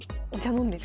飲んでる。